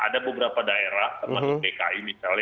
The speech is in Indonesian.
daerah teman bki misalnya